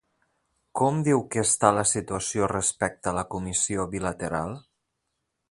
Com diu que està la situació respecte a la Comissió Bilateral?